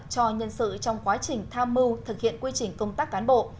cho nhân sự trong quá trình tham mưu thực hiện quy trình công tác cán bộ